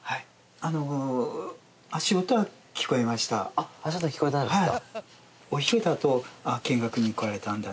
あっ足音は聞こえたんですか？